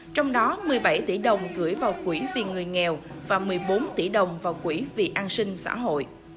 trong đó một mươi bảy tỷ đồng gửi vào quỹ về người nghèo và một mươi bốn tỷ đồng vào quỹ về người nghèo